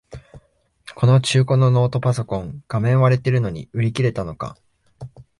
この中古のノートパソコン、画面割れてるのに売り切れたのか